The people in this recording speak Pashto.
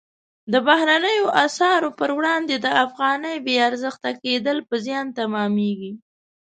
د بهرنیو اسعارو پر وړاندې د افغانۍ بې ارزښته کېدل په زیان تمامیږي.